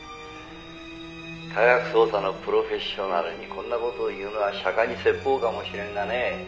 「科学捜査のプロフェッショナルにこんな事を言うのは釈迦に説法かもしれんがね